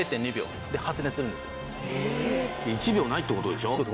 １秒ないって事でしょ？